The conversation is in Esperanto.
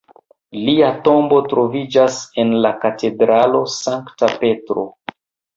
Lia tombo troviĝas en la katedralo Sankta Petro.